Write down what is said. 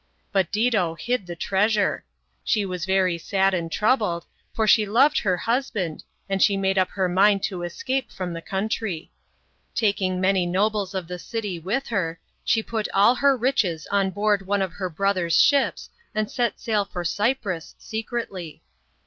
But Dido hid the treasure. She was very sa; 1 and troubled, for she loved her hus band, and she made up her mind to escape from the country. Taking many nobles of the city with her, she put all her riches on board one of her brother's shipo and set sail for Cyprus secretly.